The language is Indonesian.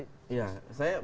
saya mencoba melihatnya